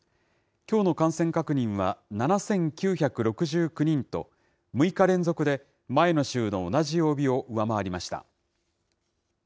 きょうの感染確認は７９６９人と、６日連続で前の週の同じ曜日を上回りました。